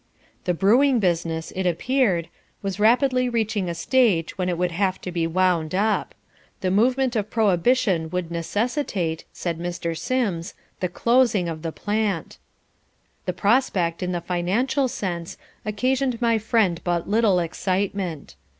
The brewing business, it appeared, was rapidly reaching a stage when it would have to be wound up. The movement of prohibition would necessitate, said Mr. Sims, the closing of the plant. The prospect, in the financial sense, occasioned my friend but little excitement.